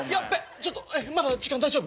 ちょっとまだ時間大丈夫？